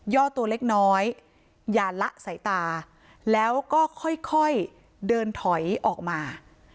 ตัวเล็กน้อยอย่าละสายตาแล้วก็ค่อยเดินถอยออกมา